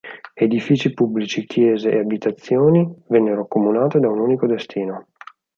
Edifici pubblici, chiese e abitazioni vennero accomunate da un unico destino.